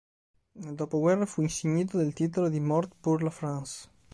Nel dopoguerra fu insignito del titolo di Mort pour la France.